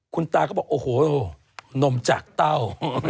คุณตาก็บอกโอ้โหนมจากเต้า